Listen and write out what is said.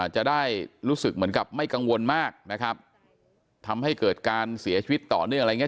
จะได้รู้สึกเหมือนกับไม่กังวลมากนะครับทำให้เกิดการเสียชีวิตต่อเนื่องอะไรอย่างเง